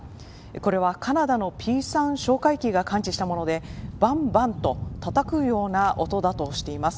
これはカナダのＰ３哨戒機が感知したものでバンバンとたたくような音だとしています。